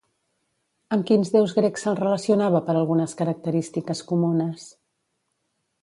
Amb quins déus grecs se'l relacionava per algunes característiques comunes?